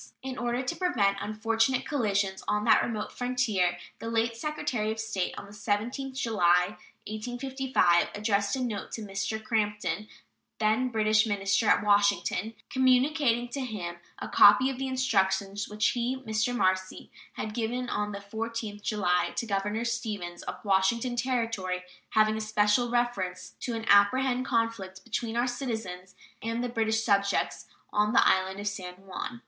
In order to prevent unfortunate collisions on that remote frontier, the late Secretary of State, on the 17th July, 1855, addressed a note to Mr. Crampton, then British minister at Washington, communicating to him a copy of the instructions which he (Mr. Marcy) had given on the 14th July to Governor Stevens, of Washington Territory, having a special reference to an "apprehended conflict between our citizens and the British subjects on the island of San Juan."